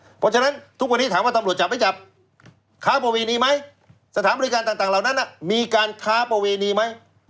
เพราะฉะนั้นทุกวันนี้ถามว่าตำรวจจับไม่จับค้าประเวณีไหมสถานบริการต่างเหล่านั้นมีการค้าประเวณีไหม